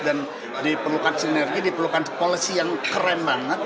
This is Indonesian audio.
dan diperlukan sinergi diperlukan polisi yang keren banget